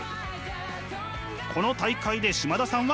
この大会で嶋田さんは。